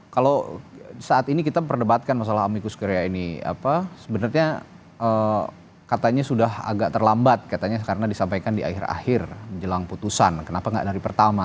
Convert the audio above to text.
kalau saat ini kita perdebatkan masalah amicus korea ini apa sebenarnya katanya sudah agak terlambat katanya karena disampaikan di akhir akhir menjelang putusan kenapa nggak dari pertama